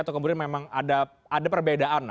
atau kemudian memang ada perbedaan